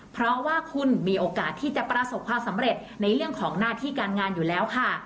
เพราะว่าคุณมีโอกาสที่จะประสบความสำเร็จในเรื่องของหน้าที่การงานอยู่แล้วค่ะ